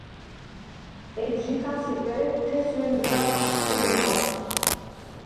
ეჯჟი ქასიპ, ერე თეს ვენდგარ ხა̈თხპინე მარე.